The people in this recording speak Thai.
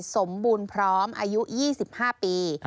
สมบูรณ์พร้อมอายุ๒๕ปี